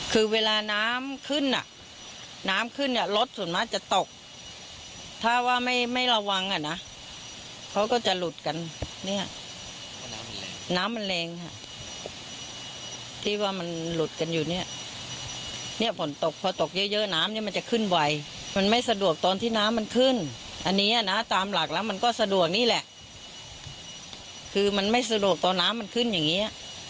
คุณป้ากแล้วมันก็สะดวกนี้แหละคือมันไม่สะดวกตอนน้ำมันขึ้นอย่างนี้